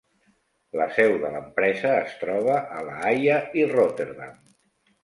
La seu de l'empresa es troba a La Haia i Rotterdam.